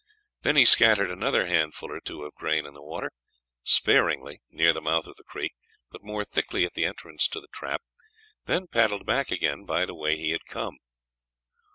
Then he scattered another handful or two of grain on the water, sparingly near the mouth of the creek, but more thickly at the entrance to the trap, and then paddled back again by the way he had come.